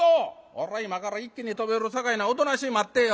今から一気に飛び降りるさかいなおとなしい待ってぇよ」。